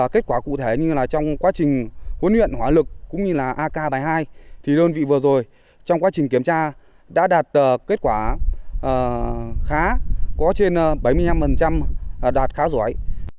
kết quả cụ thể như trong quá trình huấn luyện hỏa lực cũng như là ak bảy mươi hai thì đơn vị vừa rồi trong quá trình kiểm tra đã đạt kết quả khá có trên bảy mươi năm đạt khá giỏi